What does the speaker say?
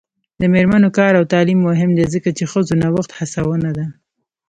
د میرمنو کار او تعلیم مهم دی ځکه چې ښځو نوښت هڅونه ده.